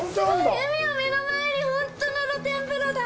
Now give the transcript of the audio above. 海を目の前に本当の露天風呂だ！